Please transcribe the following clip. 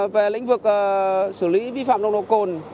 về lĩnh vực xử lý vi phạm nồng độ cồn